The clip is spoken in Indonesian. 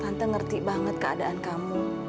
tante ngerti banget keadaanmu